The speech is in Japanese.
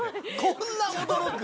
こんな驚く？